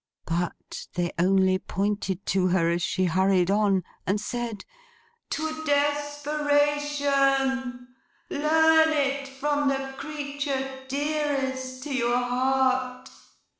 But they only pointed to her, as she hurried on; and said, 'To desperation! Learn it from the creature dearest to your heart!